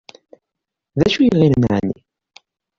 D acu i ɣilen εni?